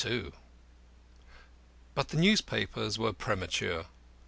II But the newspapers were premature.